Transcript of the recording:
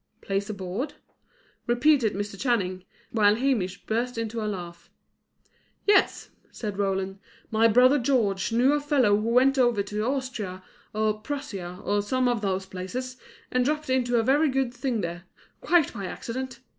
"Place abroad?" repeated Mr. Channing, while Hamish burst into a laugh. "Yes," said Roland. "My brother George knew a fellow who went over to Austria or Prussia, or some of those places, and dropped into a very good thing there, quite by accident.